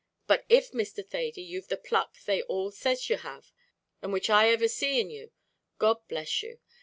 But if, Mr. Thady, you've the pluck they all says you have an' which I iver see in you, God bless you!